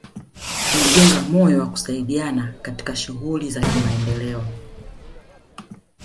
Ulijenga moyo wa kusaidiana katika shughuli za kimaendeleo